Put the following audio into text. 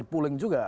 itu puleng juga